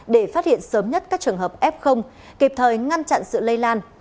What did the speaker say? để phát hiện sớm nhất các trường hợp f kịp thời ngăn chặn sự lây lan